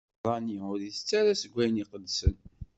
Abeṛṛani ur itett ara seg wayen iqedsen.